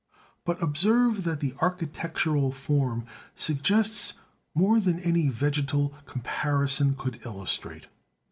But observe that the architectural form suggests more than any vegetal comparison could illustrate!